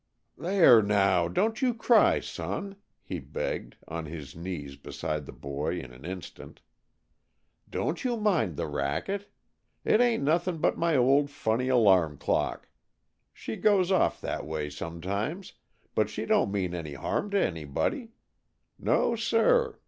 "There, now, don't you cry, son!" he begged, on his knees beside the boy in an instant. "Don't you mind the racket. It ain't nothing but my old funny alarm clock. She goes off that way sometimes, but she don't mean any harm to anybody. No, sir!